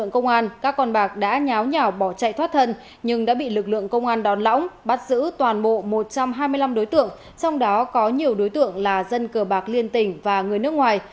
công an đã bắt giữ toàn bộ một trăm hai mươi năm đối tượng trong đó có nhiều đối tượng là dân cờ bạc liên tỉnh và người nước ngoài